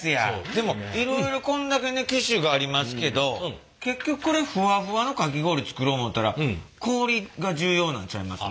でもいろいろこんだけね機種がありますけど結局これふわふわのかき氷作ろう思ったら氷が重要なんちゃいますの？